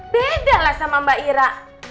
beda lah sama mbak ira